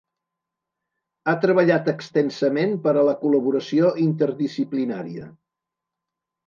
Ha treballat extensament per a la col·laboració interdisciplinària.